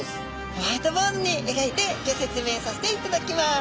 ホワイトボードにえがいてギョ説明させていただきます。